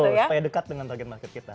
betul supaya dekat dengan target market kita